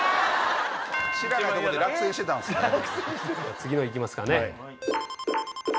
次の行きますかね。